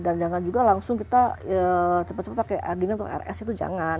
dan jangan juga langsung kita cepat cepat pakai adenine atau rs itu jangan